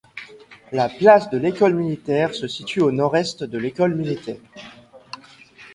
La place de l'École-Militaire se situe au nord-est de l’École militaire.